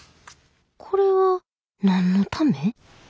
これは何のため？